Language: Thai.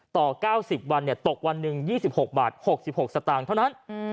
๙๐วันตกวันหนึ่ง๒๖บาท๖๖สตางค์เท่านั้น